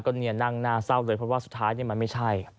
ก็เนี่ยนั่งหน้าเศร้าเลยเพราะว่าสุดท้ายมันไม่ใช่